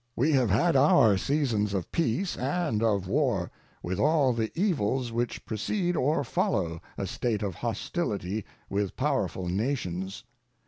We have had our seasons of peace and of war, with all the evils which precede or follow a state of hostility with powerful nations.